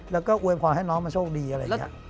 แล้วก็อวยพรให้น้องมาโชคดีอะไรอย่างนี้